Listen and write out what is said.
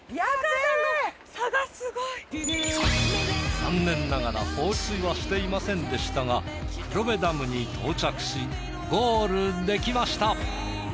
残念ながら放水はしていませんでしたが黒部ダムに到着しゴールできました！